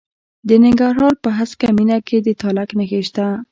د ننګرهار په هسکه مینه کې د تالک نښې شته.